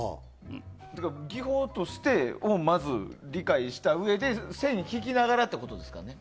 技法としてをまず理解したうえで線を引きながらってことですね。